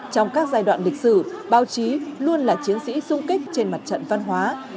trong các giai đoạn lịch sử báo chí luôn là chiến sĩ sung kích trên mặt trận văn hóa